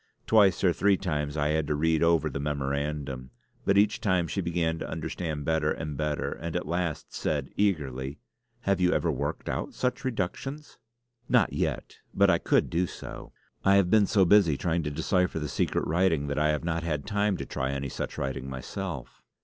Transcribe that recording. Twice or three times I had to read over the memorandum; but each time she began to understand better and better, and at last said eagerly: "Have you ever worked out such reductions?" "Not yet, but I could do so. I have been so busy trying to decipher the secret writing that I have not had time to try any such writing myself."